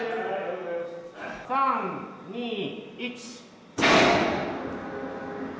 ３、２、１。